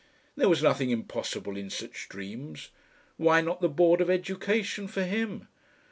There was nothing impossible in such dreams. Why not the Board of Education for him?